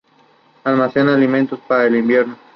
Almacenan alimentos para el invierno.